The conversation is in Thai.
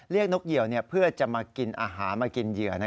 นกเหยื่อเพื่อจะมากินอาหารมากินเหยื่อ